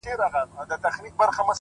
د همدې شپې هېرول يې رانه هېر کړل;